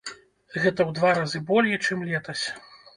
Гэта ў два разы болей, чым летась.